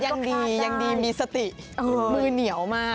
ยังดียังดีมีสติมือเหนียวมาก